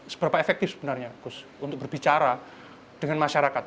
seberapa efektif sebenarnya gus untuk berbicara dengan masyarakat